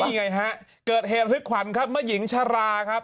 นี่ไงฮะเกิดเหตุพลิกขวัญครับเมื่อหญิงชราครับ